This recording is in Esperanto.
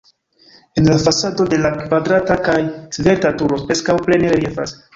En la fasado la kvadrata kaj svelta turo preskaŭ plene reliefas.